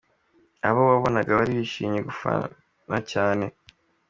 Abo wabonaga bari bishimiye gufana cyane.